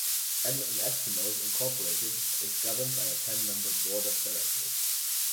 Edmonton Eskimos, Incorporated is governed by a ten-member board of directors.